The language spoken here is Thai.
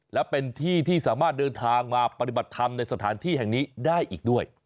และเป็นที่ที่สามารถเดินทางมาปฏิบัติธรรมในสถานที่แห่งนี้ได้อีกด้วย